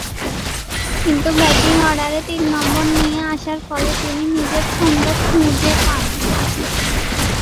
কিন্তু ব্যাটিং অর্ডারে তিন নম্বরে নিয়ে আসার ফলে তিনি নিজের ছন্দ খুঁজে পান।